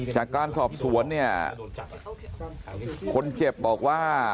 จากการสอบสวนเนี่ยคนเจ็บบอกว่า